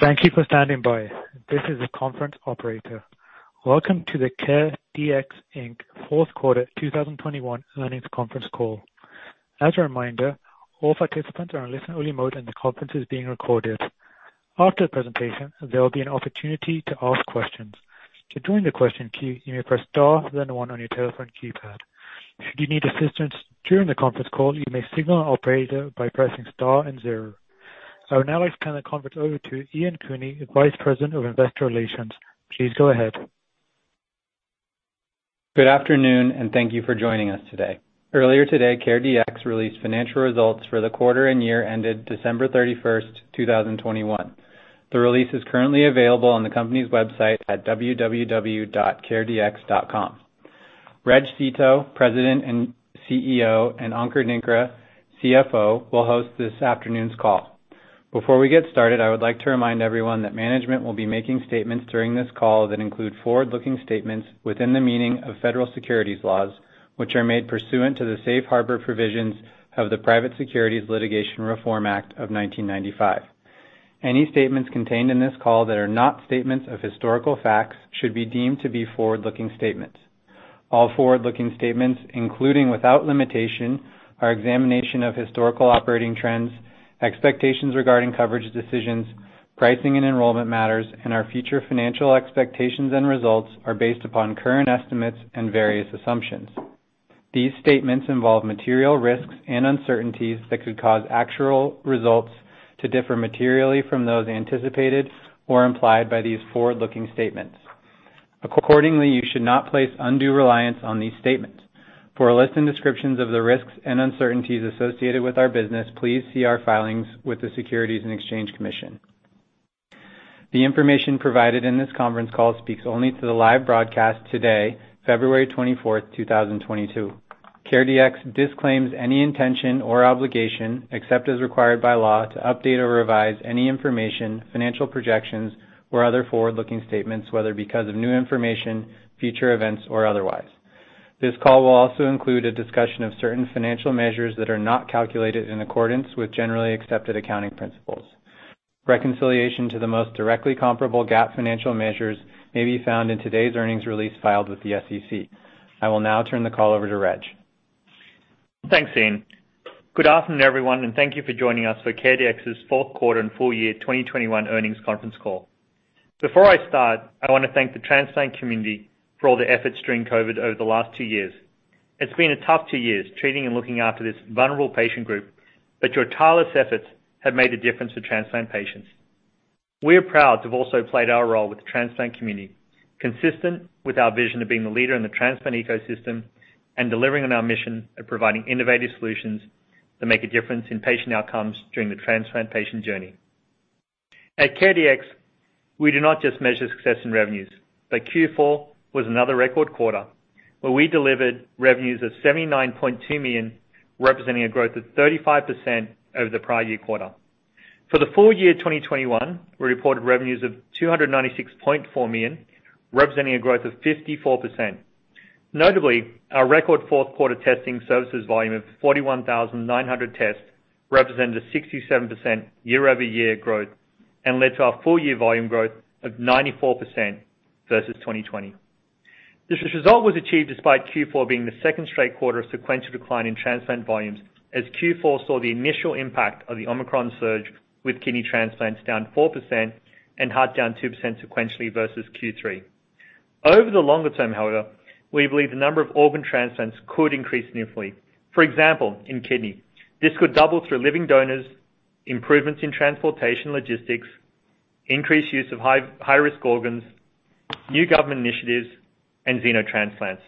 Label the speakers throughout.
Speaker 1: Thank you for standing by. This is the conference operator. Welcome to the CareDx, Inc. fourth quarter 2021 earnings conference call. As a reminder, all participants are in listen-only mode, and the conference is being recorded. After the presentation, there will be an opportunity to ask questions. To join the question queue, you may press star then one on your telephone keypad. If you need assistance during the conference call, you may signal an operator by pressing star and zero. I would now like to turn the conference over to Ian Cooney, Vice President of Investor Relations. Please go ahead.
Speaker 2: Good afternoon, and thank you for joining us today. Earlier today, CareDx released financial results for the quarter and year ended December 31, 2021. The release is currently available on the company's website at www.caredx.com. Reg Seeto, President and CEO, and Ankur Dhingra, CFO, will host this afternoon's call. Before we get started, I would like to remind everyone that management will be making statements during this call that include forward-looking statements within the meaning of Federal securities laws, which are made pursuant to the safe harbor provisions of the Private Securities Litigation Reform Act of 1995. Any statements contained in this call that are not statements of historical facts should be deemed to be forward-looking statements. All forward-looking statements, including without limitation, our examination of historical operating trends, expectations regarding coverage decisions, pricing and enrollment matters, and our future financial expectations and results are based upon current estimates and various assumptions. These statements involve material risks and uncertainties that could cause actual results to differ materially from those anticipated or implied by these forward-looking statements. Accordingly, you should not place undue reliance on these statements. For a list and descriptions of the risks and uncertainties associated with our business, please see our filings with the Securities and Exchange Commission. The information provided in this conference call speaks only to the live broadcast today, February 24, 2022. CareDx disclaims any intention or obligation, except as required by law, to update or revise any information, financial projections or other forward-looking statements, whether because of new information, future events or otherwise. This call will also include a discussion of certain financial measures that are not calculated in accordance with generally accepted accounting principles. Reconciliation to the most directly comparable GAAP financial measures may be found in today's earnings release filed with the SEC. I will now turn the call over to Reg.
Speaker 3: Thanks, Ian. Good afternoon, everyone, and thank you for joining us for CareDx's fourth quarter and full year 2021 earnings conference call. Before I start, I wanna thank the transplant community for all their efforts during COVID over the last two years. It's been a tough two years treating and looking after this vulnerable patient group, but your tireless efforts have made a difference to transplant patients. We are proud to have also played our role with the transplant community, consistent with our vision of being the leader in the transplant ecosystem and delivering on our mission of providing innovative solutions that make a difference in patient outcomes during the transplant patient journey. At CareDx, we do not just measure success in revenues, but Q4 was another record quarter where we delivered revenues of $79.2 million, representing a growth of 35% over the prior year quarter. For the full year 2021, we reported revenues of $296.4 million, representing a growth of 54%. Notably, our record fourth quarter testing services volume of 41,900 tests represented a 67% year-over-year growth and led to our full year volume growth of 94% versus 2020. This result was achieved despite Q4 being the second straight quarter of sequential decline in transplant volumes as Q4 saw the initial impact of the Omicron surge with kidney transplants down 4% and heart down 2% sequentially versus Q3. Over the longer term, however, we believe the number of organ transplants could increase significantly. For example, in kidney, this could double through living donors, improvements in transportation logistics, increased use of high-risk organs, new government initiatives and xenotransplants.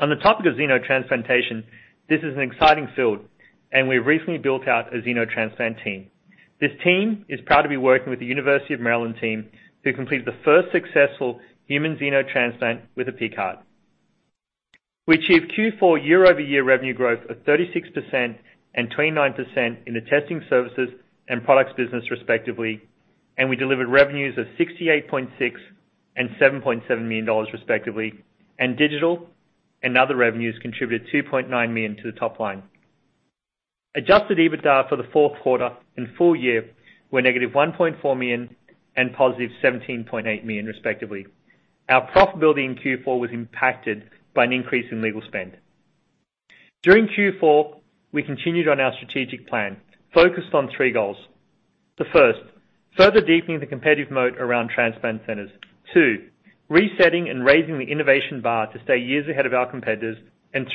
Speaker 3: On the topic of xenotransplantation, this is an exciting field, and we recently built out a xenotransplant team. This team is proud to be working with the University of Maryland team to complete the first successful human xenotransplant with a pig heart. We achieved Q4 year-over-year revenue growth of 36% and 29% in the testing services and products business respectively, and we delivered revenues of $68.6 million and $7.7 million, respectively. Digital and other revenues contributed $2.9 million to the top line. Adjusted EBITDA for the fourth quarter and full year were -$1.4 million and +$17.8 million, respectively. Our profitability in Q4 was impacted by an increase in legal spend. During Q4, we continued on our strategic plan focused on three goals. The first, further deepening the competitive moat around transplant centers. Two, resetting and raising the innovation bar to stay years ahead of our competitors.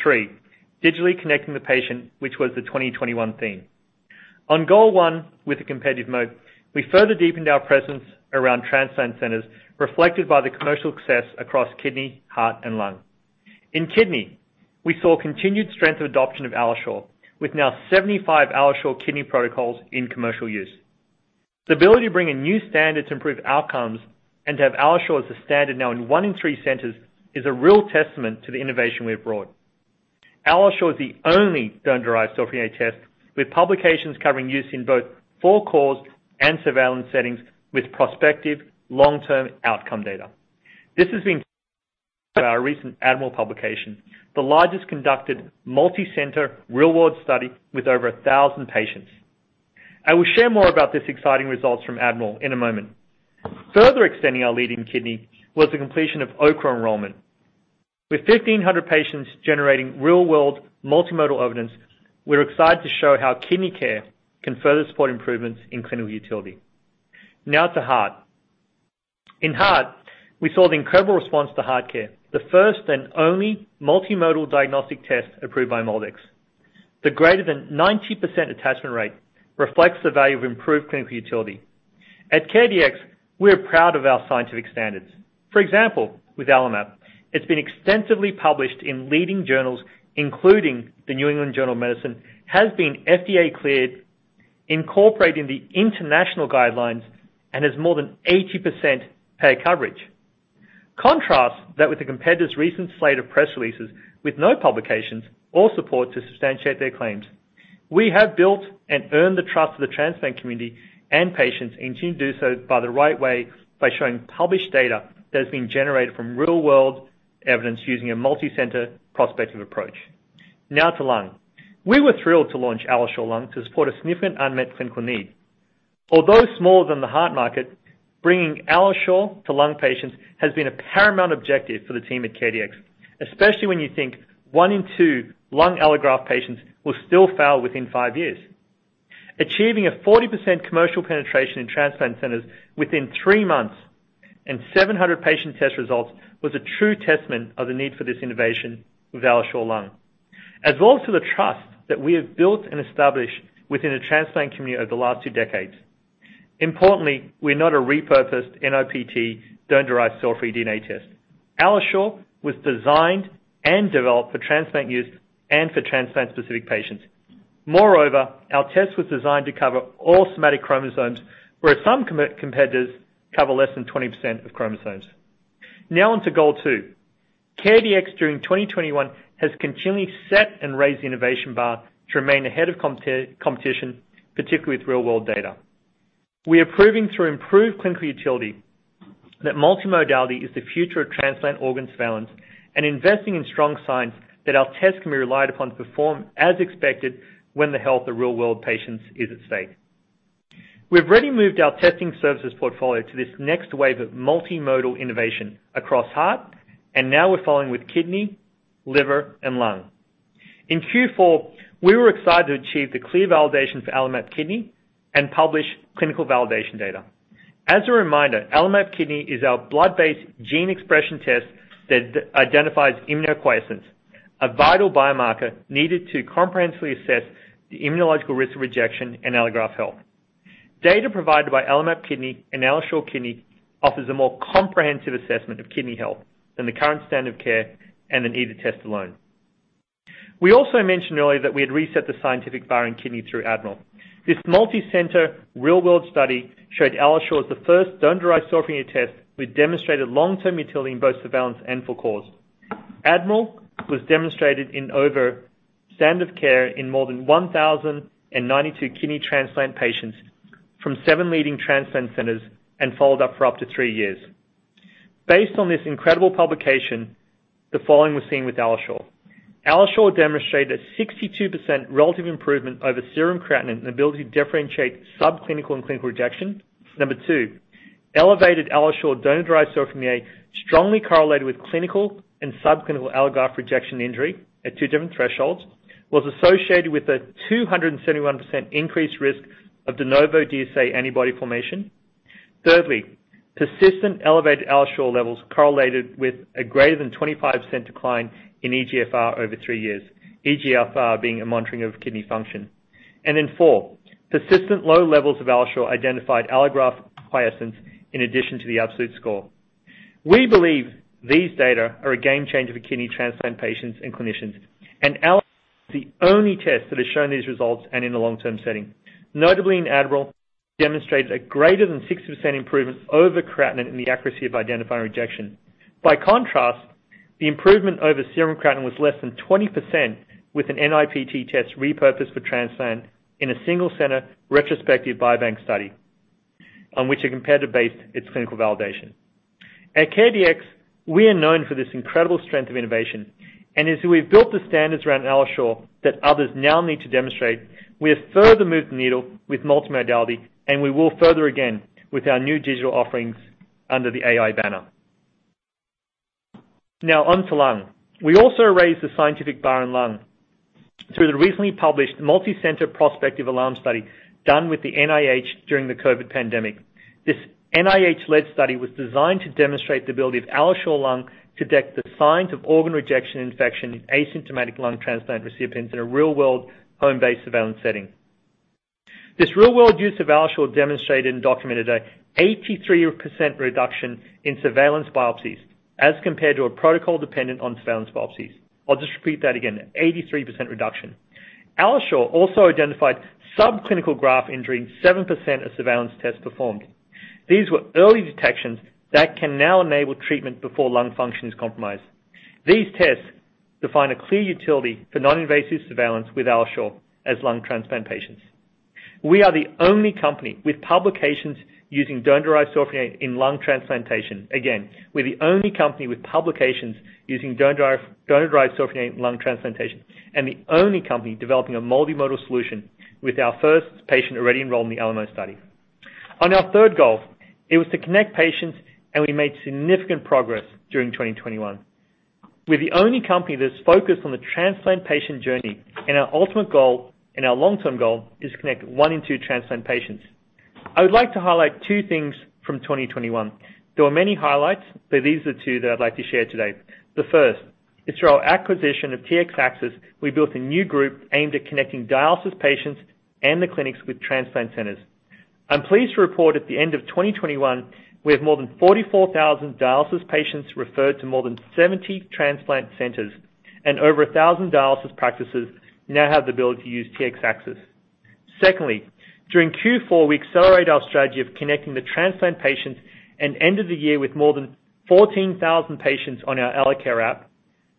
Speaker 3: Three, digitally connecting the patient, which was the 2021 theme. On goal one with the competitive moat, we further deepened our presence around transplant centers reflected by the commercial success across kidney, heart and lung. In kidney, we saw continued strength of adoption of AlloSure with now 75 AlloSure Kidney protocols in commercial use. The ability to bring a new standard to improve outcomes and to have AlloSure as a standard now in 1 in 3 centers is a real testament to the innovation we have brought. AlloSure is the only donor-derived cfDNA test with publications covering use in both for-cause and surveillance settings with prospective long-term outcome data. This has been our recent ADMIRAL publication, the largest conducted multi-center real-world study with over 1,000 patients. I will share more about these exciting results from ADMIRAL in a moment. Further extending our lead in kidney was the completion of OKRA enrollment. With 1,500 patients generating real-world multimodal evidence, we're excited to show how KidneyCare can further support improvements in clinical utility. Now to heart. In heart, we saw the incredible response to HeartCare, the first and only multimodal diagnostic test approved by MolDX. The greater than 90% attachment rate reflects the value of improved clinical utility. At CareDx, we are proud of our scientific standards. For example, with AlloMap, it's been extensively published in leading journals, including the New England Journal of Medicine, has been FDA-cleared, incorporating the international guidelines, and has more than 80% payer coverage. Contrast that with the competitor's recent slate of press releases with no publications or support to substantiate their claims. We have built and earned the trust of the transplant community and patients, and continue to do so by the right way by showing published data that has been generated from real-world evidence using a multi-center prospective approach. Now to lung. We were thrilled to launch AlloSure Lung to support a significant unmet clinical need. Although smaller than the heart market, bringing AlloSure to lung patients has been a paramount objective for the team at CareDx. Especially when you think one in two lung allograft patients will still fail within five years. Achieving a 40% commercial penetration in transplant centers within three months and 700 patient test results was a true testament of the need for this innovation with AlloSure Lung, as well as to the trust that we have built and established within the transplant community over the last two decades. Importantly, we're not a repurposed NIPT donor-derived cell-free DNA test. AlloSure was designed and developed for transplant use and for transplant-specific patients. Moreover, our test was designed to cover all somatic chromosomes, where some competitors cover less than 20% of chromosomes. Now on to goal 2. CareDx during 2021 has continually set and raised the innovation bar to remain ahead of competition, particularly with real-world data. We are proving through improved clinical utility that multimodality is the future of transplant organ surveillance and investing in strong science that our test can be relied upon to perform as expected when the health of real-world patients is at stake. We've already moved our testing services portfolio to this next wave of multimodal innovation across heart, and now we're following with kidney, liver, and lung. In Q4, we were excited to achieve the clear validation for AlloMap Kidney and publish clinical validation data. As a reminder, AlloMap Kidney is our blood-based gene expression test that identifies immune quiescence, a vital biomarker needed to comprehensively assess the immunological risk of rejection in allograft health. Data provided by AlloMap Kidney and AlloSure Kidney offers a more comprehensive assessment of kidney health than the current standard of care than either test alone. We also mentioned earlier that we had reset the scientific bar in kidney through ADMIRAL. This multi-center real-world study showed AlloSure is the first donor-derived cell-free DNA test with demonstrated long-term utility in both surveillance and for cause. ADMIRAL demonstrated superiority over standard of care in more than 1,092 kidney transplant patients from seven leading transplant centers and followed up for up to three years. Based on this incredible publication, the following was seen with AlloSure. AlloSure demonstrated a 62% relative improvement over serum creatinine and ability to differentiate subclinical and clinical rejection. Number two, elevated AlloSure donor-derived cell-free DNA strongly correlated with clinical and subclinical allograft rejection injury at two different thresholds, was associated with a 271% increased risk of de novo DSA antibody formation. Thirdly, persistent elevated AlloSure levels correlated with a greater than 25% decline in eGFR over 3 years, eGFR being a monitoring of kidney function. Four, persistent low levels of AlloSure identified allograft quiescence in addition to the absolute score. We believe these data are a game changer for kidney transplant patients and clinicians, and AlloSure is the only test that has shown these results and in a long-term setting. Notably in ADMIRAL, demonstrated a greater than 60% improvement over creatinine in the accuracy of identifying rejection. By contrast, the improvement over serum creatinine was less than 20% with an NIPT test repurposed for transplant in a single-center retrospective biobank study on which a competitor based its clinical validation. At CareDx, we are known for this incredible strength of innovation and as we've built the standards around AlloSure that others now need to demonstrate, we have further moved the needle with multimodality, and we will further again with our new digital offerings under the AI banner. Now on to lung. We also raised the scientific bar in lung through the recently published multi-center prospective ALARM study done with the NIH during the COVID pandemic. This NIH-led study was designed to demonstrate the ability of AlloSure Lung to detect the signs of organ rejection or infection in asymptomatic lung transplant recipients in a real-world home-based surveillance setting. This real-world use of AlloSure demonstrated and documented an 83% reduction in surveillance biopsies as compared to a protocol dependent on surveillance biopsies. I'll just repeat that again, 83% reduction. AlloSure also identified subclinical graft injury in 7% of surveillance tests performed. These were early detections that can now enable treatment before lung function is compromised. These tests define a clear utility for non-invasive surveillance with AlloSure for lung transplant patients. We are the only company with publications using donor-derived cell-free DNA in lung transplantation. Again, we're the only company with publications using donor-derived cfDNA in lung transplantation, and the only company developing a multimodal solution with our first patient already enrolled in the ALAMO study. On our third goal, it was to connect patients, and we made significant progress during 2021. We're the only company that's focused on the transplant patient journey, and our ultimate goal, and our long-term goal is to connect one in two transplant patients. I would like to highlight two things from 2021. There were many highlights, but these are the two that I'd like to share today. The first is through our acquisition of TxAccess, we built a new group aimed at connecting dialysis patients and the clinics with transplant centers. I'm pleased to report at the end of 2021, we have more than 44,000 dialysis patients referred to more than 70 transplant centers, and over 1,000 dialysis practices now have the ability to use TxAccess. Secondly, during Q4, we accelerated our strategy of connecting the transplant patients and ended the year with more than 14,000 patients on our AlloCare app.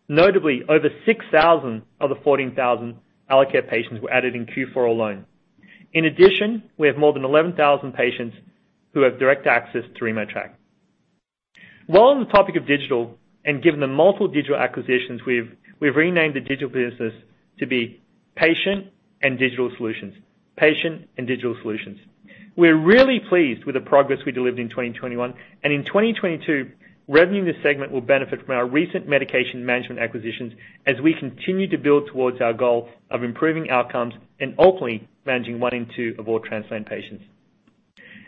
Speaker 3: Notably, over 6,000 of the 14,000 AlloCare patients were added in Q4 alone. In addition, we have more than 11,000 patients who have direct access through RemoTraC. While on the topic of digital and given the multiple digital acquisitions we have, we've renamed the digital businesses to be patient and digital solutions. We're really pleased with the progress we delivered in 2021. In 2022 revenue, this segment will benefit from our recent medication management acquisitions as we continue to build towards our goal of improving outcomes and ultimately managing one in two of all transplant patients.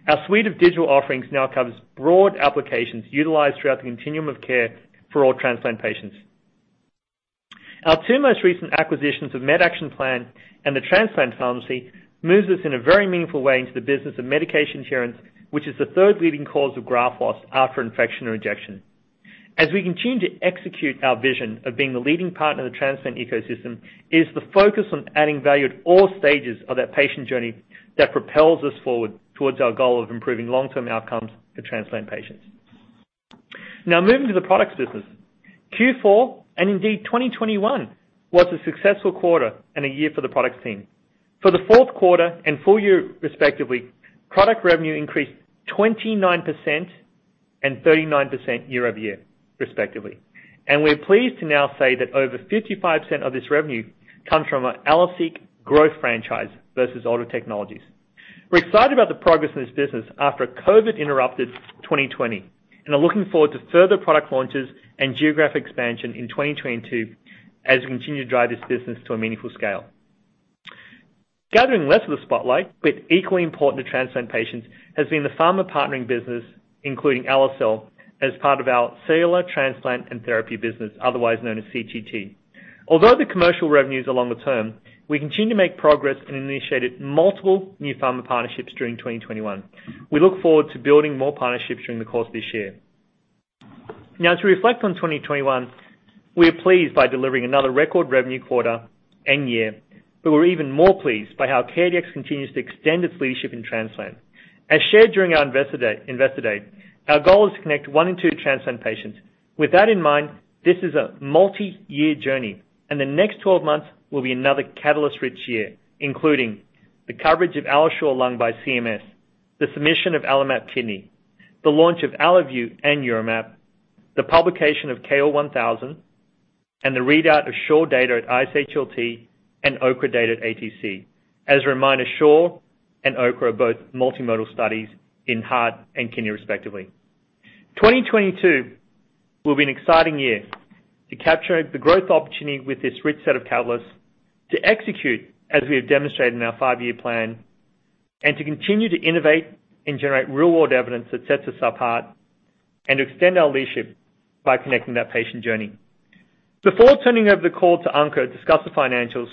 Speaker 3: Our suite of digital offerings now covers broad applications utilized throughout the continuum of care for all transplant patients. Our two most recent acquisitions of MedActionPlan and the transplant pharmacy moves us in a very meaningful way into the business of medication adherence, which is the third leading cause of graft loss after infection or rejection. As we continue to execute our vision of being the leading partner in the transplant ecosystem, it is the focus on adding value at all stages of that patient journey that propels us forward towards our goal of improving long-term outcomes for transplant patients. Now moving to the products business. Q4, and indeed 2021, was a successful quarter and a year for the product team. For the fourth quarter and full year respectively, product revenue increased 29% and 39% year-over-year, respectively. We're pleased to now say that over 55% of this revenue comes from our AlloSeq growth franchise versus older technologies. We're excited about the progress in this business after a COVID-interrupted 2020, and are looking forward to further product launches and geographic expansion in 2022 as we continue to drive this business to a meaningful scale. Gathering less of the spotlight, but equally important to transplant patients, has been the pharma partnering business, including AlloCell, as part of our cellular transplant and therapy business, otherwise known as CTT. Although the commercial revenue is long-term, we continue to make progress and initiated multiple new pharma partnerships during 2021. We look forward to building more partnerships during the course of this year. Now as we reflect on 2021, we are pleased by delivering another record revenue quarter and year, but we're even more pleased by how CareDx continues to extend its leadership in transplant. As shared during our Investor Day, our goal is to connect one in two transplant patients. With that in mind, this is a multi-year journey, and the next 12 months will be another catalyst-rich year, including the coverage of AlloSure Lung by CMS, the submission of AlloMap Kidney, the launch of AlloView and UroMap, the publication of KOAR-1000, and the readout of SURE data at ISHLT and OKRA data at ATC. As a reminder, SURE and OKRA are both multimodal studies in heart and kidney respectively. 2022 will be an exciting year to capture the growth opportunity with this rich set of catalysts, to execute as we have demonstrated in our five-year plan, and to continue to innovate and generate real-world evidence that sets us apart, and to extend our leadership by connecting that patient journey. Before turning over the call to Ankur to discuss the financials,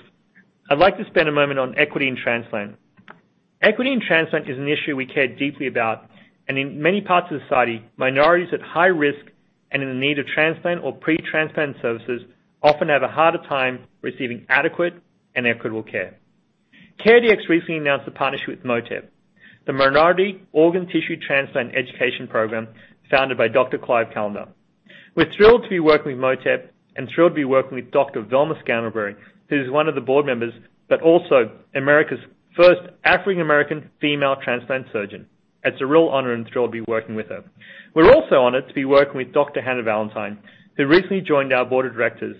Speaker 3: I'd like to spend a moment on equity and transplant. Equity and transplant is an issue we care deeply about, and in many parts of society, minorities at high risk and in need of transplant or pre-transplant services often have a harder time receiving adequate and equitable care. CareDx recently announced a partnership with MOTTEP, the Minority Organ Tissue Transplant Education Program, founded by Dr. Clive Callender. We're thrilled to be working with MOTTEP and thrilled to be working with Dr. Velma Scantlebury, who is one of the board members, but also America's first African American female transplant surgeon. It's a real honor and thrill to be working with her. We're also honored to be working with Dr. Hannah Valantine, who recently joined our board of directors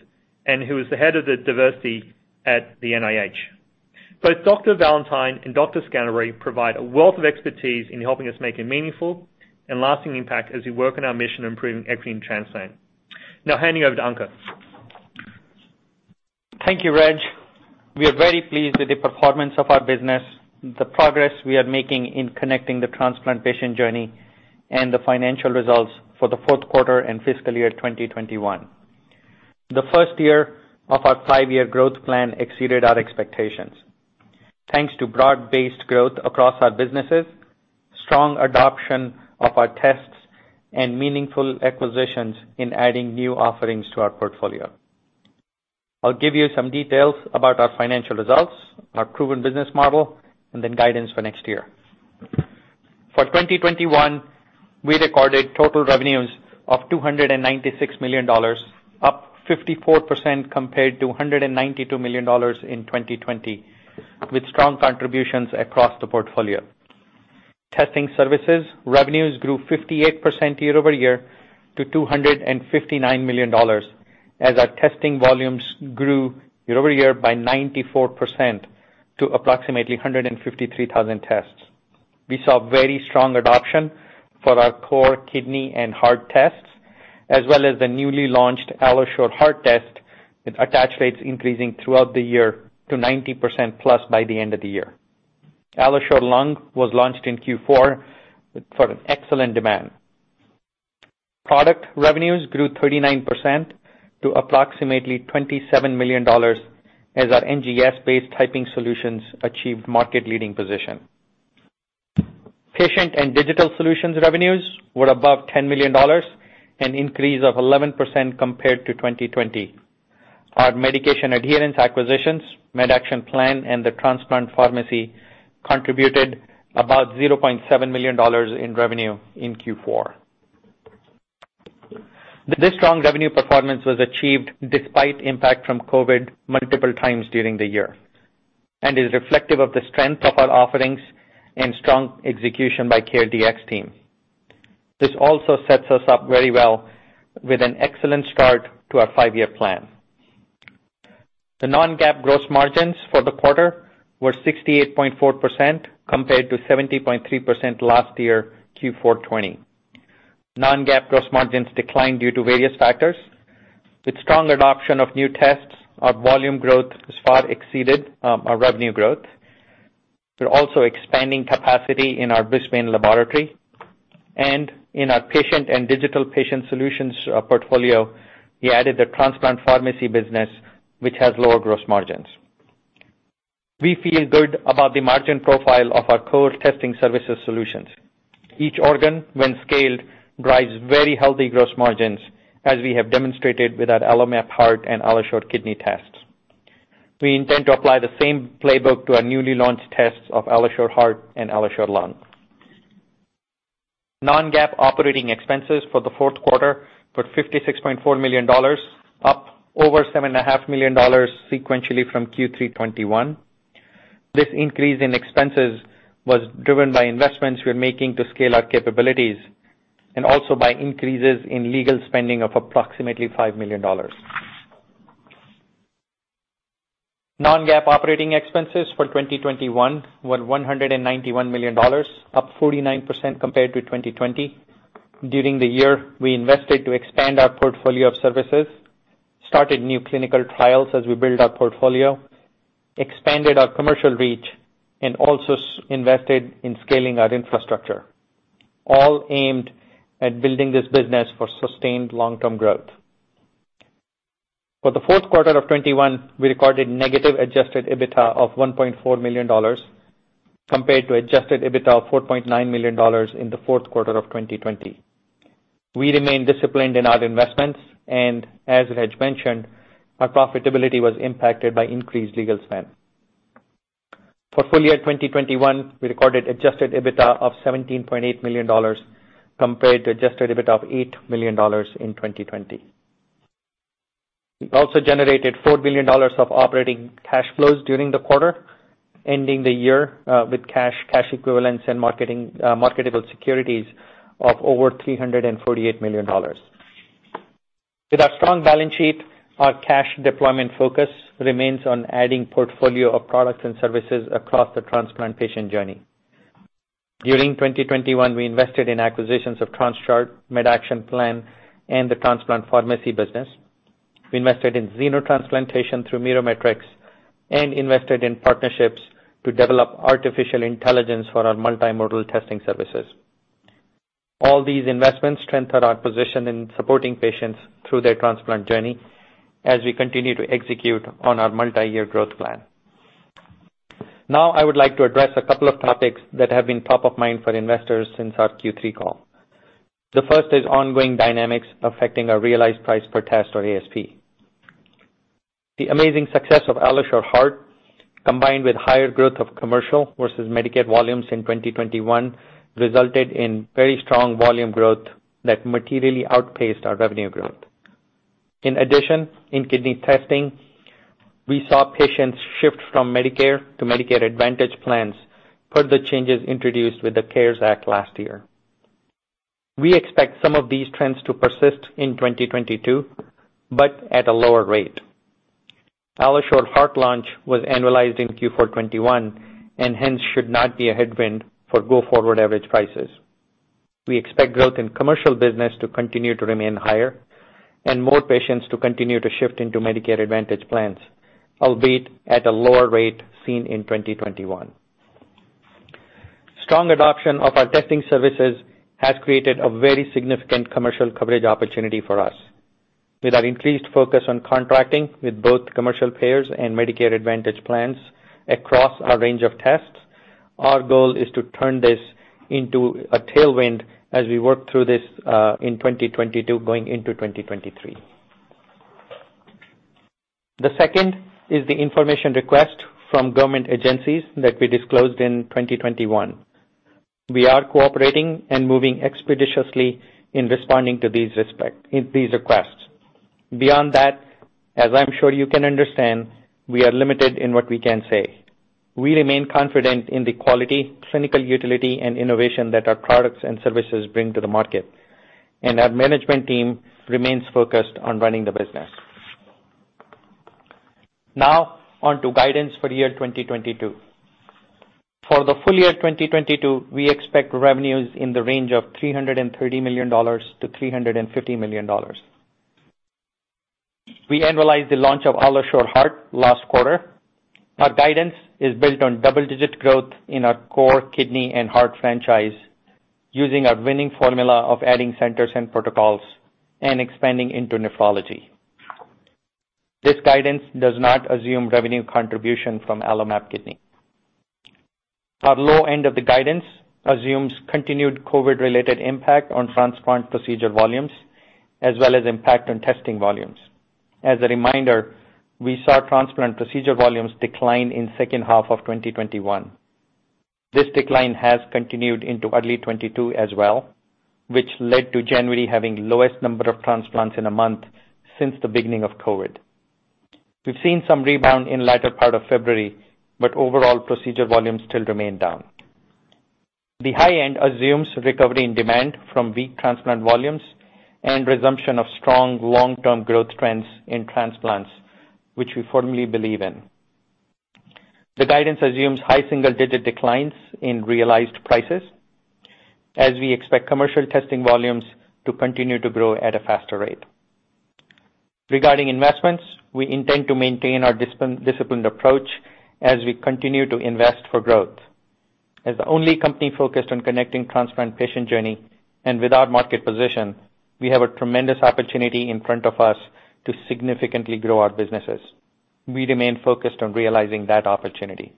Speaker 3: and who is the head of the diversity at the NIH. Both Dr. Valantine and Dr. Scantlebury provide a wealth of expertise in helping us make a meaningful and lasting impact as we work on our mission on improving equity in transplant. Now handing over to Ankur.
Speaker 4: Thank you, Reg. We are very pleased with the performance of our business, the progress we are making in connecting the transplant patient journey and the financial results for the fourth quarter and fiscal year 2021. The first year of our five-year growth plan exceeded our expectations. Thanks to broad-based growth across our businesses, strong adoption of our tests, and meaningful acquisitions in adding new offerings to our portfolio. I'll give you some details about our financial results, our proven business model, and then guidance for next year. For 2021, we recorded total revenues of $296 million, up 54% compared to $192 million in 2020, with strong contributions across the portfolio. Testing services revenues grew 58% year-over-year to $259 million as our testing volumes grew year-over-year by 94% to approximately 153,000 tests. We saw very strong adoption for our core kidney and heart tests, as well as the newly launched AlloSure Heart test, with attach rates increasing throughout the year to 90%+ by the end of the year. AlloSure Lung was launched in Q4 with sort of excellent demand. Product revenues grew 39% to approximately $27 million as our NGS-based typing solutions achieved market leading position. Patient and digital solutions revenues were above $10 million, an increase of 11% compared to 2020. Our medication adherence acquisitions, MedActionPlan and the transplant pharmacy, contributed about $0.7 million in revenue in Q4. This strong revenue performance was achieved despite impact from COVID multiple times during the year and is reflective of the strength of our offerings and strong execution by CareDx team. This also sets us up very well with an excellent start to our five-year plan. The non-GAAP gross margins for the quarter were 68.4% compared to 70.3% last year, Q4 2020. Non-GAAP gross margins declined due to various factors. With strong adoption of new tests, our volume growth has far exceeded our revenue growth. We're also expanding capacity in our Brisbane laboratory and in our patient and digital patient solutions portfolio, we added the transplant pharmacy business, which has lower gross margins. We feel good about the margin profile of our core testing services solutions. Each organ, when scaled, drives very healthy gross margins, as we have demonstrated with our AlloMap Heart and AlloSure Kidney tests. We intend to apply the same playbook to our newly launched tests of AlloSure Heart and AlloSure Lung. Non-GAAP operating expenses for the fourth quarter were $56.4 million, up over $7.5 million sequentially from Q3 2021. This increase in expenses was driven by investments we're making to scale our capabilities and also by increases in legal spending of approximately $5 million. Non-GAAP operating expenses for 2021 were $191 million, up 49% compared to 2020. During the year, we invested to expand our portfolio of services, started new clinical trials as we build our portfolio, expanded our commercial reach, and also invested in scaling our infrastructure, all aimed at building this business for sustained long-term growth. For the fourth quarter of 2021, we recorded negative adjusted EBITDA of $1.4 million compared to adjusted EBITDA of $4.9 million in the fourth quarter of 2020. We remain disciplined in our investments, and as Reg mentioned, our profitability was impacted by increased legal spend. For full year 2021, we recorded adjusted EBITDA of $17.8 million compared to adjusted EBITDA of $8 million in 2020. We also generated $4 billion of operating cash flows during the quarter, ending the year with cash equivalents, and marketable securities of over $348 million. With our strong balance sheet, our cash deployment focus remains on adding portfolio of products and services across the transplant patient journey. During 2021, we invested in acquisitions of TransChart, MedActionPlan, and the transplant pharmacy business. We invested in xenotransplantation through Miromatrix and invested in partnerships to develop artificial intelligence for our multimodal testing services. All these investments strengthen our position in supporting patients through their transplant journey as we continue to execute on our multi-year growth plan. Now, I would like to address a couple of topics that have been top of mind for investors since our Q3 call. The first is ongoing dynamics affecting our realized price per test, or ASP. The amazing success of AlloSure Heart, combined with higher growth of commercial versus Medicaid volumes in 2021, resulted in very strong volume growth that materially outpaced our revenue growth. In addition, in kidney testing, we saw patients shift from Medicare to Medicare Advantage plans per the changes introduced with the CARES Act last year. We expect some of these trends to persist in 2022, but at a lower rate. AlloSure Heart launch was annualized in Q4 2021, and hence should not be a headwind for go forward average prices. We expect growth in commercial business to continue to remain higher and more patients to continue to shift into Medicare Advantage plans, albeit at a lower rate seen in 2021. Strong adoption of our testing services has created a very significant commercial coverage opportunity for us. With our increased focus on contracting with both commercial payers and Medicare Advantage plans across our range of tests, our goal is to turn this into a tailwind as we work through this in 2022 going into 2023. The second is the information request from government agencies that we disclosed in 2021. We are cooperating and moving expeditiously in responding to these requests. Beyond that, as I'm sure you can understand, we are limited in what we can say. We remain confident in the quality, clinical utility, and innovation that our products and services bring to the market, and our management team remains focused on running the business. Now on to guidance for the year 2022. For the full year 2022, we expect revenues in the range of $330 million-$350 million. We annualized the launch of AlloSure Heart last quarter. Our guidance is built on double-digit growth in our core kidney and heart franchise using our winning formula of adding centers and protocols and expanding into nephrology. This guidance does not assume revenue contribution from AlloMap Kidney. Our low end of the guidance assumes continued COVID-related impact on transplant procedure volumes as well as impact on testing volumes. As a reminder, we saw transplant procedure volumes decline in second half of 2021. This decline has continued into early 2022 as well, which led to January having lowest number of transplants in a month since the beginning of COVID. We've seen some rebound in latter part of February, but overall procedure volumes still remain down. The high end assumes recovery in demand from weak transplant volumes and resumption of strong long-term growth trends in transplants, which we firmly believe in. The guidance assumes high single-digit declines in realized prices as we expect commercial testing volumes to continue to grow at a faster rate. Regarding investments, we intend to maintain our disciplined approach as we continue to invest for growth. As the only company focused on connecting transplant patient journey and with our market position, we have a tremendous opportunity in front of us to significantly grow our businesses. We remain focused on realizing that opportunity.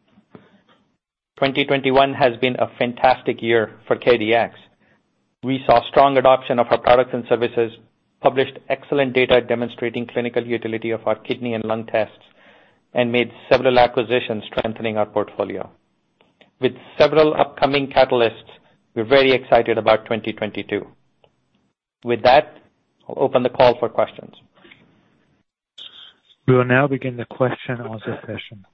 Speaker 4: 2021 has been a fantastic year for CareDx. We saw strong adoption of our products and services, published excellent data demonstrating clinical utility of our kidney and lung tests, and made several acquisitions strengthening our portfolio. With several upcoming catalysts, we're very excited about 2022. With that, I'll open the call for questions.
Speaker 1: We will now begin the question and answer session.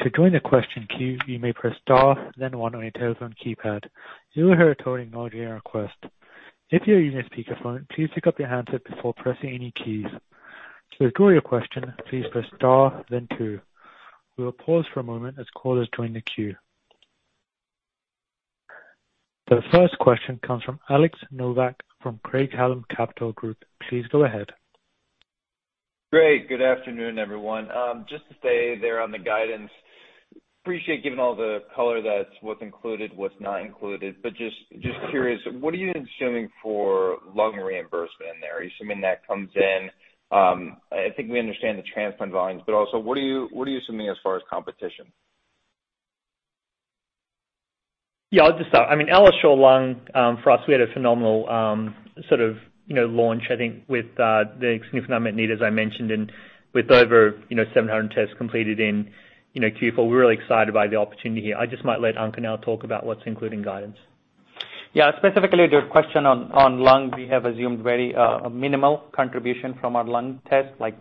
Speaker 1: To join the question queue, you may press star then one on your telephone keypad. You will hear a tone acknowledging your request. If you are using a speakerphone, please pick up your handset before pressing any keys. To withdraw your question, please press star then two. We will pause for a moment as callers join the queue. The first question comes from Alex Nowak from Craig-Hallum Capital Group. Please go ahead.
Speaker 5: Great. Good afternoon, everyone. Just to stay there on the guidance, appreciate giving all the color that's what's included, what's not included. Just curious, what are you assuming for lung reimbursement there? Are you assuming that comes in? I think we understand the transplant volumes, but also what are you assuming as far as competition?
Speaker 3: Yeah, I'll just start. I mean, AlloSure Lung for us, we had a phenomenal sort of, you know, launch, I think, with the significant unmet need, as I mentioned, and with over, you know, 700 tests completed in, you know, Q4. We're really excited by the opportunity here. I just might let Ankur now talk about what's included in guidance.
Speaker 4: Yeah, specifically to your question on lung, we have assumed very minimal contribution from our lung test, like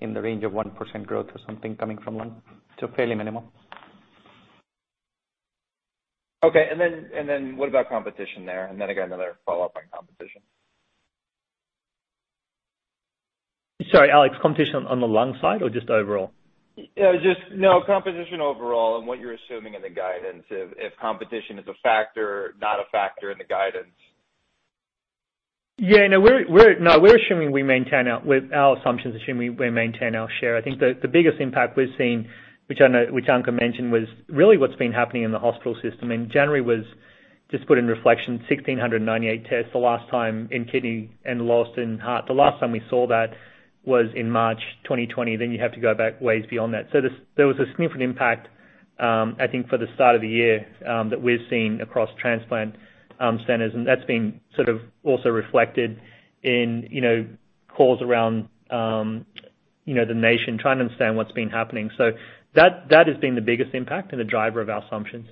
Speaker 4: in the range of 1% growth or something coming from lung, so fairly minimal.
Speaker 5: Okay. What about competition there? I got another follow-up on competition.
Speaker 3: Sorry, Alex. Competition on the lung side or just overall?
Speaker 5: Competition overall and what you're assuming in the guidance. If competition is a factor, not a factor in the guidance.
Speaker 3: Yeah. No, we're assuming we maintain our share with our assumptions. I think the biggest impact we're seeing, which Ankur mentioned, was really what's been happening in the hospital system. In January, just to put in perspective, 1,698 tests, the last time in kidney and heart. The last time we saw that was in March 2020, then you have to go back way beyond that. There was a significant impact, I think for the start of the year, that we're seeing across transplant centers, and that's been sort of also reflected in, you know, calls around the nation trying to understand what's been happening. That has been the biggest impact and the driver of our assumptions.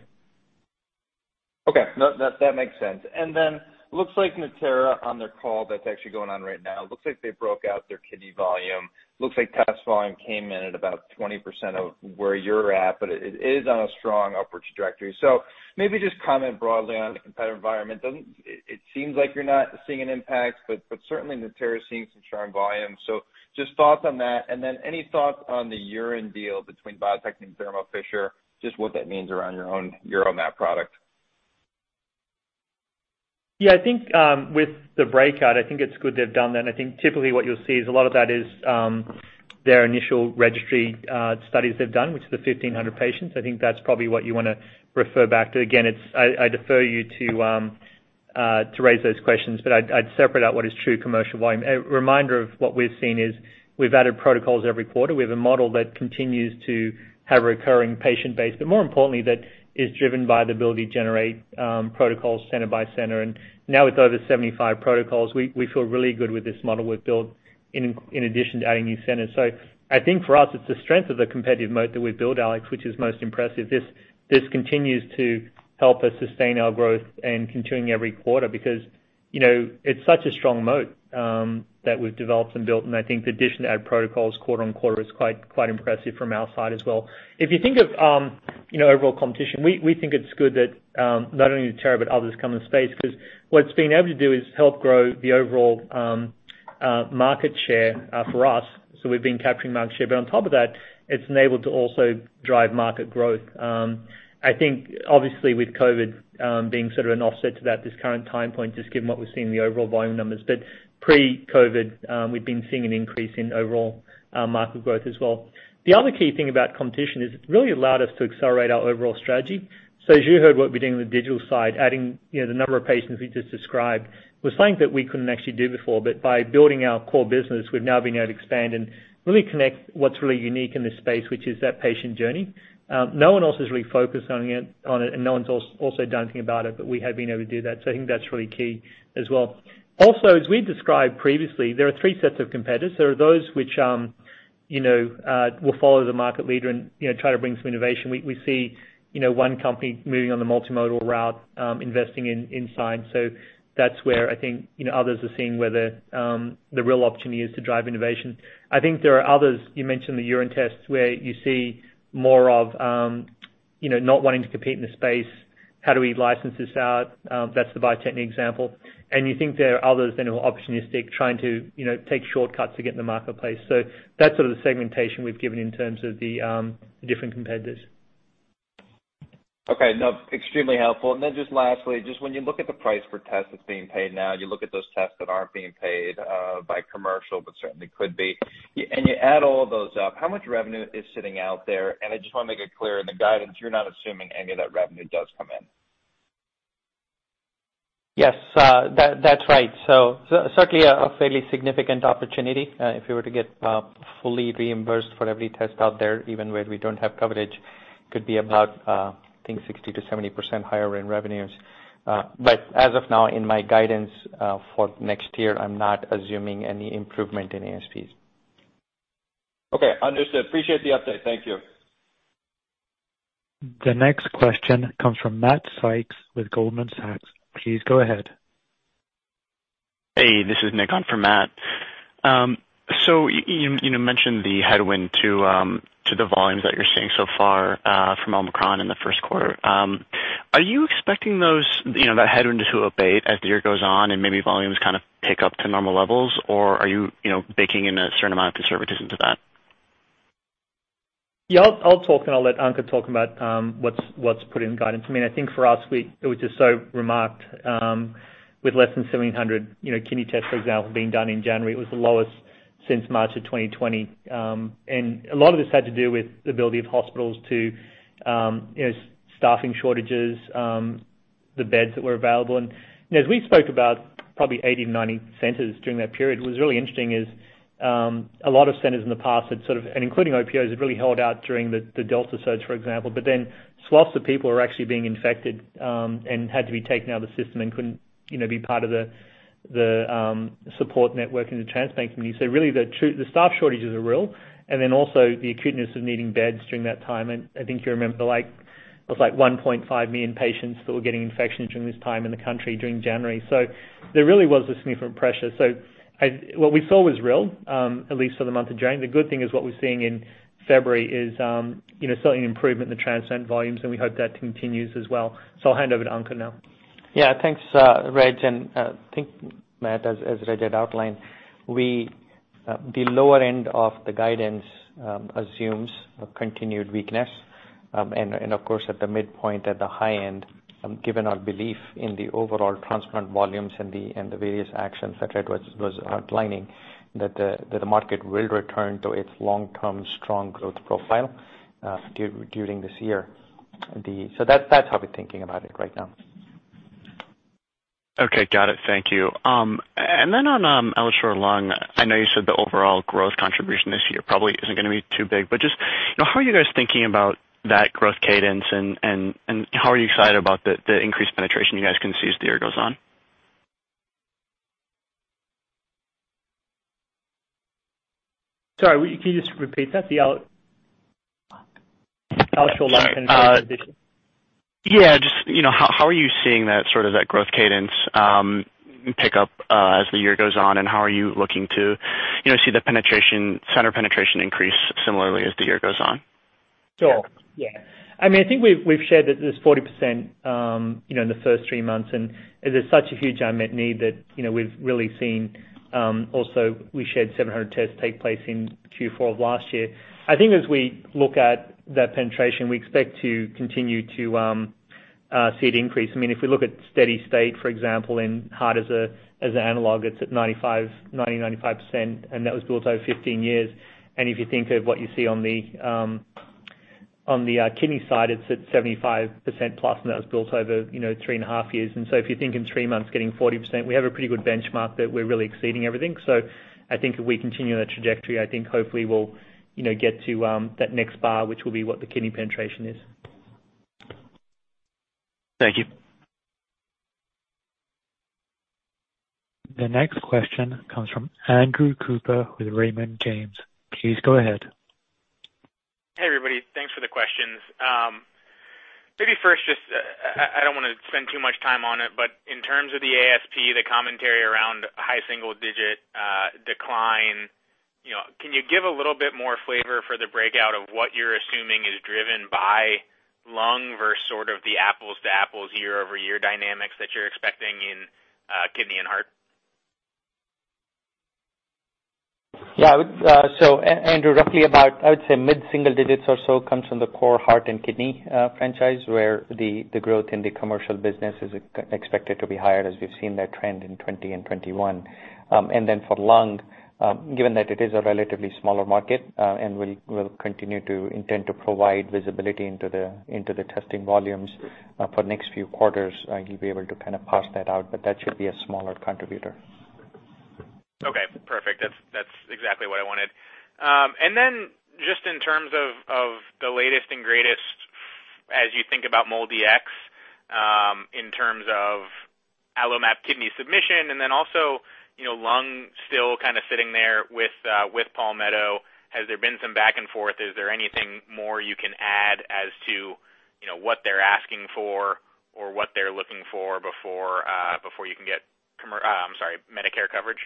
Speaker 5: Okay. No, that makes sense. Then looks like Natera on their call that's actually going on right now. Looks like they broke out their kidney volume. Looks like test volume came in at about 20% of where you're at, but it is on a strong upward trajectory. Maybe just comment broadly on the competitive environment. It seems like you're not seeing an impact, but certainly Natera is seeing some strong volume. Just thoughts on that, and then any thoughts on the urine deal between Bio-Techne and Thermo Fisher, just what that means around your own UroMap product.
Speaker 3: Yeah, I think with the breakout, I think it's good they've done that, and I think typically what you'll see is a lot of that is their initial registry studies they've done, which is the 1,500 patients. I think that's probably what you wanna refer back to. Again, it's I defer you to raise those questions, but I'd separate out what is true commercial volume. A reminder of what we've seen is we've added protocols every quarter. We have a model that continues to have a recurring patient base, but more importantly, that is driven by the ability to generate protocols center by center. And now with over 75 protocols, we feel really good with this model we've built in addition to adding new centers. I think for us, it's the strength of the competitive moat that we've built, Alex, which is most impressive. This continues to help us sustain our growth and continuing every quarter because it's such a strong moat that we've developed and built. I think the addition to add protocols quarter on quarter is quite impressive from our side as well. If you think of overall competition, we think it's good that not only Natera, but others come in the space, 'cause what it's been able to do is help grow the overall market share for us, so we've been capturing market share. On top of that, it's enabled to also drive market growth. I think, obviously, with COVID being sort of an offset to that, this current time point, just given what we've seen in the overall volume numbers. Pre-COVID, we've been seeing an increase in overall market growth as well. The other key thing about competition is it's really allowed us to accelerate our overall strategy. As you heard, what we're doing on the digital side, adding, you know, the number of patients we just described, was something that we couldn't actually do before. But by building our core business, we've now been able to expand and really connect what's really unique in this space, which is that patient journey. No one else is really focused on it, and no one's also doing anything about it, but we have been able to do that. I think that's really key as well. Also, as we described previously, there are three sets of competitors. There are those which, you know, will follow the market leader and, you know, try to bring some innovation. We see, you know, one company moving on the multimodal route, investing in science. That's where I think, you know, others are seeing where the real opportunity is to drive innovation. I think there are others, you mentioned the urine tests, where you see more of, you know, not wanting to compete in the space, how do we license this out? That's the Biogen example. You think there are others then who are opportunistic, trying to, you know, take shortcuts to get in the marketplace. That's sort of the segmentation we've given in terms of the different competitors.
Speaker 5: Okay. No, extremely helpful. Then just lastly, just when you look at the price per test that's being paid now, you look at those tests that aren't being paid by commercial, but certainly could be, and you add all of those up, how much revenue is sitting out there? I just wanna make it clear, in the guidance, you're not assuming any of that revenue does come in.
Speaker 4: Yes. That's right. Certainly a fairly significant opportunity if we were to get fully reimbursed for every test out there, even where we don't have coverage. That could be about, I think, 60%-70% higher in revenues. As of now, in my guidance for next year, I'm not assuming any improvement in ASPs.
Speaker 5: Okay. Understood. Appreciate the update. Thank you.
Speaker 1: The next question comes from Matt Sykes with Goldman Sachs. Please go ahead.
Speaker 6: Hey, this is Nick on for Matt. You know, you mentioned the headwind to the volumes that you're seeing so far from Omicron in the first quarter. Are you expecting those, you know, that headwind to abate as the year goes on and maybe volumes kind of pick up to normal levels? Or are you know, baking in a certain amount of conservatism to that?
Speaker 3: Yeah. I'll talk and I'll let Ankur talk about what's put in guidance. I mean, I think for us, it was just so remarkable with less than 1,700, you know, kidney tests, for example, being done in January. It was the lowest since March 2020. A lot of this had to do with the ability of hospitals to, you know, staffing shortages, the beds that were available. You know, as we spoke about probably 80-90 centers during that period, what was really interesting is a lot of centers in the past had sort of and including OPOs, had really held out during the Delta surge, for example. Swaths of people were actually being infected and had to be taken out of the system and couldn't, you know, be part of the support network in the transplant community. Really the staff shortages are real, and then also the acuteness of needing beds during that time. I think you remember, like, it was like 1.5 million patients that were getting infections during this time in the country during January. There really was a significant pressure. What we saw was real, at least for the month of January. The good thing is what we're seeing in February is, you know, certainly an improvement in the transplant volumes, and we hope that continues as well. I'll hand over to Ankur now.
Speaker 4: Yeah. Thanks, Reg. I think, Matt, as Reg had outlined, the lower end of the guidance assumes a continued weakness. Of course, at the midpoint, at the high end, given our belief in the overall transplant volumes and the various actions that Reg was outlining, that the market will return to its long-term strong growth profile during this year. So that's how we're thinking about it right now.
Speaker 6: Okay. Got it. Thank you. On AlloSure Lung, I know you said the overall growth contribution this year probably isn't gonna be too big, but just, you know, how are you guys thinking about that growth cadence and how are you excited about the increased penetration you guys can see as the year goes on?
Speaker 3: Sorry, can you just repeat that? The AlloSure Lung contribution.
Speaker 6: Yeah. Just, you know, how are you seeing that, sort of that growth cadence, pick up, as the year goes on, and how are you looking to, you know, see the penetration, center penetration increase similarly as the year goes on?
Speaker 3: Sure. Yeah. I mean, I think we've shared that there's 40%, you know, in the first 3 months, and there's such a huge unmet need that, you know, we've really seen. Also we shared 700 tests take place in Q4 of last year. I think as we look at that penetration, we expect to continue to see it increase. I mean, if we look at steady state, for example, in heart as an analog, it's at 90%-95%, and that was built over 15 years. If you think of what you see on the kidney side, it's at 75%+, and that was built over, you know, 3.5 years. If you think in 3 months getting 40%, we have a pretty good benchmark that we're really exceeding everything. I think if we continue that trajectory, I think hopefully we'll, you know, get to that next bar, which will be what the kidney penetration is.
Speaker 6: Thank you.
Speaker 1: The next question comes from Andrew Cooper with Raymond James. Please go ahead.
Speaker 7: Hey, everybody. Thanks for the questions. Maybe first, just, I don't wanna spend too much time on it, but in terms of the ASP, the commentary around high single-digit decline, you know, can you give a little bit more flavor for the breakout of what you're assuming is driven by lung versus sort of the apples-to-apples year-over-year dynamics that you're expecting in kidney and heart?
Speaker 4: Andrew, roughly about, I would say, mid-single digits or so comes from the core heart and kidney franchise, where the growth in the commercial business is expected to be higher as we've seen that trend in 2020 and 2021. For lung, given that it is a relatively smaller market, and we'll continue to intend to provide visibility into the testing volumes for next few quarters, you'll be able to kind of parse that out, but that should be a smaller contributor.
Speaker 7: Okay. Perfect. That's exactly what I wanted. And then just in terms of the latest and greatest as you think about MolDX, in terms of AlloMap Kidney submission and then also lung still kind of sitting there with Palmetto, has there been some back and forth? Is there anything more you can add as to what they're asking for or what they're looking for before you can get Medicare coverage?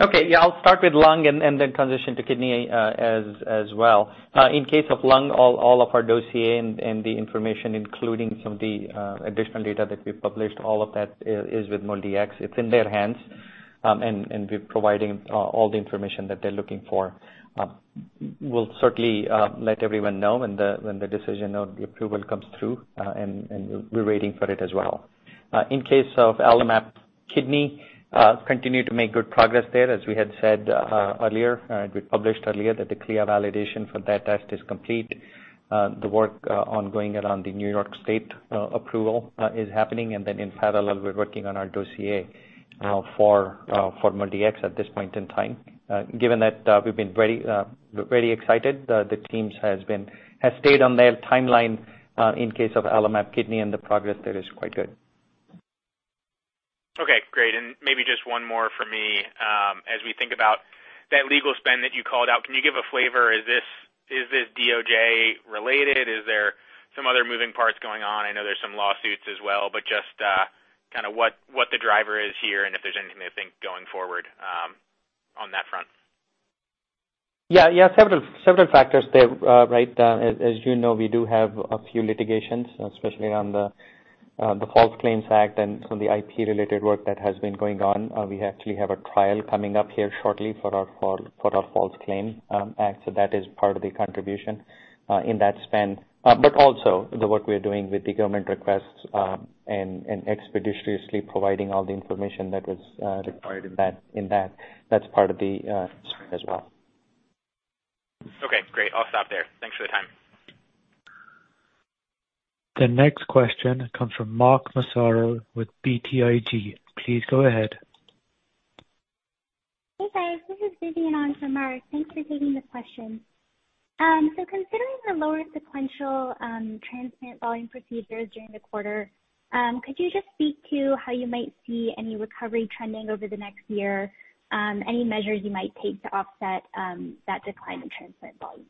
Speaker 4: Okay. Yeah. I'll start with lung and then transition to kidney as well. In case of lung, all of our AlloSure and the information, including some of the additional data that we've published, all of that is with MolDX. It's in their hands, and we're providing all the information that they're looking for. We'll certainly let everyone know when the decision of the approval comes through, and we're waiting for it as well. In case of AlloMap Kidney, continue to make good progress there. As we had said earlier, we published earlier that the CLIA validation for that test is complete. The work ongoing around the New York State approval is happening. In parallel, we're working on our dossier for MolDX at this point in time. Given that, we've been very excited, the team has stayed on their timeline in case of AlloMap Kidney and the progress there is quite good.
Speaker 7: Okay, great. Maybe just one more from me. As we think about that legal spend that you called out, can you give a flavor? Is this DOJ related? Is there some other moving parts going on? I know there's some lawsuits as well, but just kinda what the driver is here and if there's anything to think going forward, on that front.
Speaker 4: Yeah. Several factors there, right? As you know, we do have a few litigations, especially on the False Claims Act and some of the IP related work that has been going on. We actually have a trial coming up here shortly for our False Claims Act. So that is part of the contribution in that spend. But also the work we're doing with the government requests and expeditiously providing all the information that was required in that. That's part of the spend as well.
Speaker 7: Okay, great. I'll stop there. Thanks for the time.
Speaker 1: The next question comes from Mark Massaro with BTIG. Please go ahead.
Speaker 8: Hey, guys. This is Vivian on from Mark. Thanks for taking this question. So considering the lower sequential transplant volume procedures during the quarter, could you just speak to how you might see any recovery trending over the next year, any measures you might take to offset that decline in transplant volume?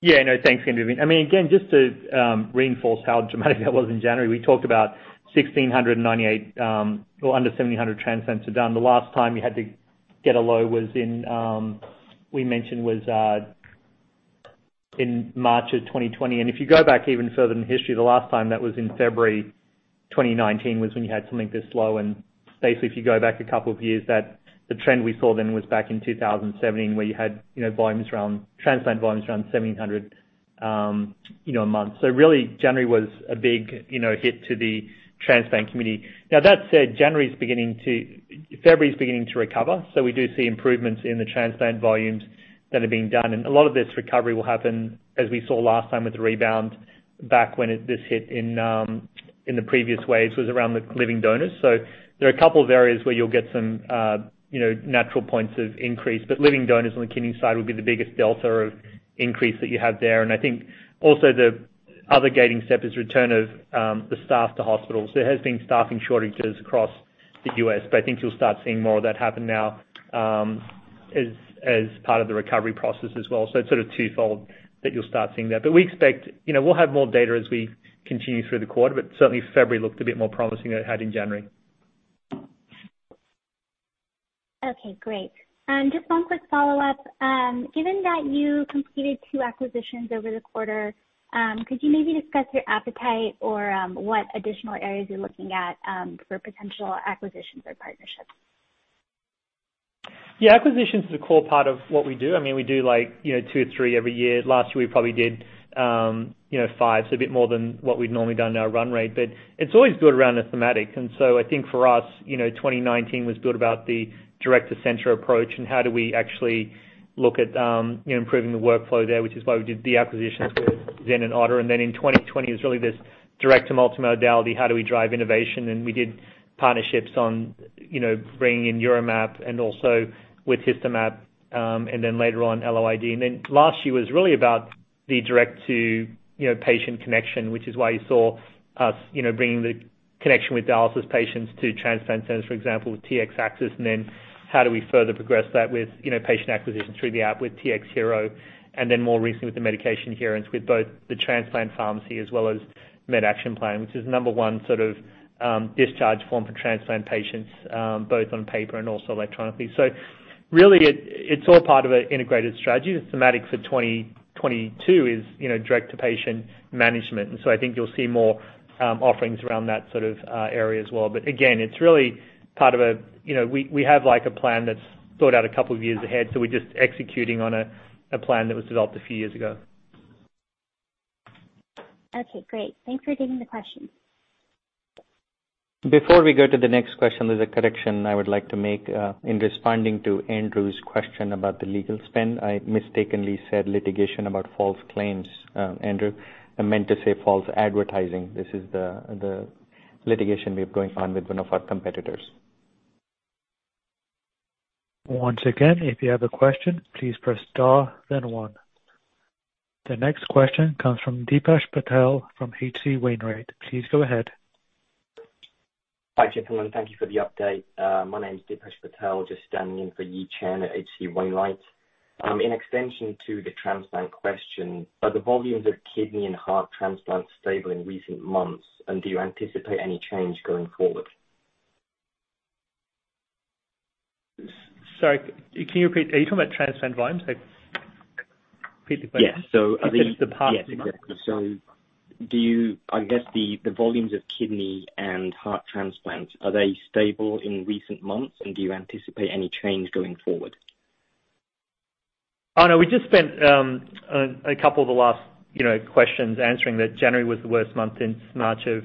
Speaker 8: Thanks.
Speaker 3: Yeah, no, thanks again, Vivian. I mean, again, just to reinforce how dramatic that was in January, we talked about 1,698 or under 1,700 transplants were done. The last time you had to get a low was in March 2020. If you go back even further in history, the last time that was in February 2019 was when you had something this low. Basically, if you go back a couple of years, the trend we saw then was back in 2017, where you had transplant volumes around 1,700 a month. Really, January was a big hit to the transplant community. Now, that said, February is beginning to recover. We do see improvements in the transplant volumes that are being done. A lot of this recovery will happen, as we saw last time with the rebound back when this hit in the previous waves, around the living donors. There are a couple of areas where you'll get some natural points of increase. Living donors on the kidney side will be the biggest delta of increase that you have there. I think also the other gating step is return of the staff to hospitals. There has been staffing shortages across the U.S., but I think you'll start seeing more of that happen now, as part of the recovery process as well. It's sort of twofold that you'll start seeing that. We expect. You know, we'll have more data as we continue through the quarter, but certainly February looked a bit more promising than it had in January.
Speaker 8: Okay, great. Just one quick follow-up. Given that you completed two acquisitions over the quarter, could you maybe discuss your appetite or, what additional areas you're looking at, for potential acquisitions or partnerships.
Speaker 3: Yeah, acquisition is a core part of what we do. I mean, we do like, you know, two or three every year. Last year we probably did, you know, 5, so a bit more than what we'd normally done in our run rate. It's always built around a thematic. I think for us, you know, 2019 was built about the direct-to-center approach and how do we actually look at, you know, improving the workflow there, which is why we did the acquisitions with XynManagement and OTTR. In 2020, it was really this direct to multimodality, how do we drive innovation? We did partnerships on, you know, bringing in UroMap and also with HistoMap, and then later on IDbyDNA. Last year was really about the direct to, you know, patient connection, which is why you saw us, you know, bringing the connection with dialysis patients to transplant centers, for example, with TxAccess. How do we further progress that with, you know, patient acquisitions through the app with TxHero, and then more recently with the medication adherence with both the transplant pharmacy as well as MedActionPlan, which is number one sort of discharge form for transplant patients both on paper and also electronically. Really it's all part of an integrated strategy. The thematic for 2022 is, you know, direct-to-patient management. I think you'll see more offerings around that sort of area as well. Again, it's really part of a. You know, we have like a plan that's thought out a couple of years ahead, so we're just executing on a plan that was developed a few years ago.
Speaker 8: Okay, great. Thanks for taking the question.
Speaker 4: Before we go to the next question, there's a correction I would like to make. In responding to Andrew's question about the legal spend, I mistakenly said litigation about false claims, Andrew. I meant to say false advertising. This is the litigation we have going on with one of our competitors.
Speaker 1: Once again, if you have a question, please press star then one. The next question comes from Dipesh Patel from H.C. Wainwright. Please go ahead.
Speaker 9: Hi, gentlemen. Thank you for the update. My name is Dipesh Patel, just standing in for Yi Chen at H.C. Wainwright. In addition to the transplant question, are the volumes of kidney and heart transplants stable in recent months? Do you anticipate any change going forward?
Speaker 3: Sorry, can you repeat? Are you talking about transplant volumes? Like, repeat the question.
Speaker 9: Yes. The heart- Yes, exactly. Do you, I guess, the volumes of kidney and heart transplants, are they stable in recent months? Do you anticipate any change going forward?
Speaker 3: Oh, no. We just spent a couple of the last, you know, questions answering that January was the worst month since March of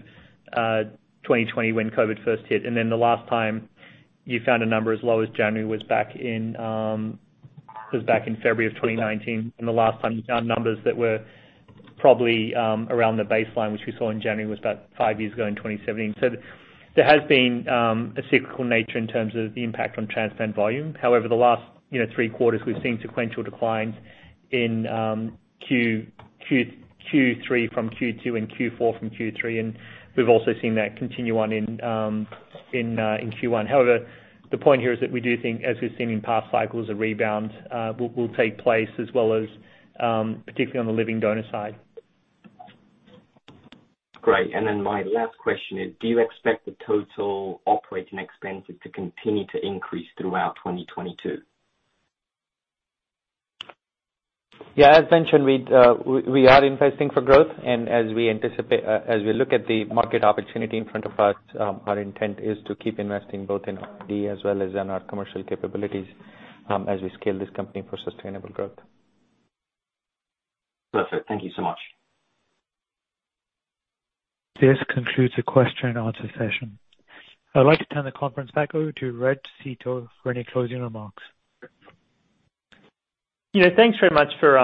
Speaker 3: 2020 when COVID first hit. The last time you found a number as low as January was back in February of 2019. The last time you found numbers that were probably around the baseline, which we saw in January, was about 5 years ago in 2017. There has been a cyclical nature in terms of the impact on transplant volume. However, the last, you know, 3 quarters, we've seen sequential declines in Q3 from Q2 and Q4 from Q3, and we've also seen that continue on in Q1. However, the point here is that we do think, as we've seen in past cycles, a rebound will take place as well as, particularly on the living donor side.
Speaker 9: Great. My last question is, do you expect the total operating expenses to continue to increase throughout 2022?
Speaker 4: Yeah. As mentioned, we are investing for growth. As we look at the market opportunity in front of us, our intent is to keep investing both in R&D as well as in our commercial capabilities, as we scale this company for sustainable growth.
Speaker 9: Perfect. Thank you so much.
Speaker 1: This concludes the question and answer session. I'd like to turn the conference back over to Reg Seeto for any closing remarks.
Speaker 3: You know, thanks very much for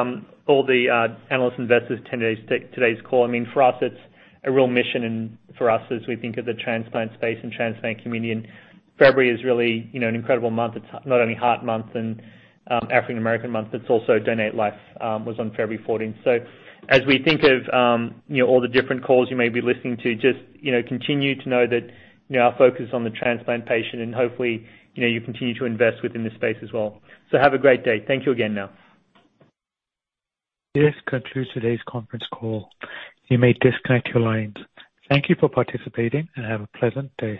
Speaker 3: all the analysts, investors attending today's call. I mean, for us it's a real mission and for us as we think of the transplant space and transplant community. February is really, you know, an incredible month. It's not only Heart Month and African American Month, it's also Donate Life was on February 14th. As we think of, you know, all the different calls you may be listening to, just, you know, continue to know that, you know, our focus is on the transplant patient and hopefully, you know, you continue to invest within this space as well. Have a great day. Thank you again now.
Speaker 1: This concludes today's conference call. You may disconnect your lines. Thank you for participating and have a pleasant day.